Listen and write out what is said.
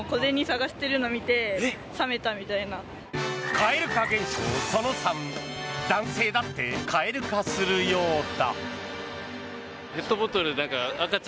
蛙化現象その３男性だって蛙化するようだ。